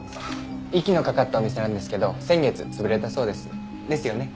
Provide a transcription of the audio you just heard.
息のかかったお店なんですけど先月潰れたそうです。ですよね？